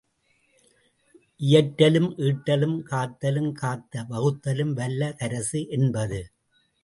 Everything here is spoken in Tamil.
இயற்றலும் ஈட்டலும் காத்தலும் காத்த வகுத்தலும் வல்ல தரசு என்பது.